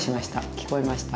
聞こえました。